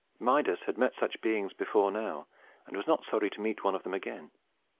Midas had met such beings before now, and was not sorry to meet one of them again.